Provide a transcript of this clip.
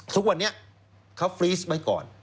ทุกวันนี้เขาฟรีสไว้ก่อน